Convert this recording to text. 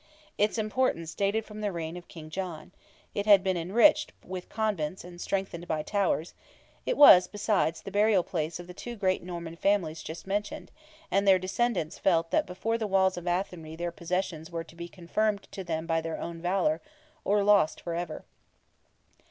Its importance dated from the reign of King John; it had been enriched with convents and strengthened by towers; it was besides the burial place of the two great Norman families just mentioned, and their descendants felt that before the walls of Athenry their possessions were to be confirmed to them by their own valour, or lost for ever.